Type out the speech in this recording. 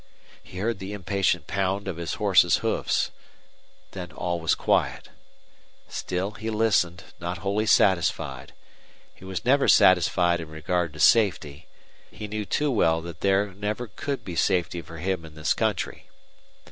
He heard the impatient pound of his horse's hoofs. Then all was quiet. Still he listened, not wholly satisfied. He was never satisfied in regard to safety; he knew too well that there never could be safety for him in this country.